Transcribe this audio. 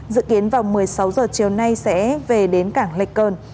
dự kiến vào một mươi sáu h chiều nay sẽ về đến cảng lạch quen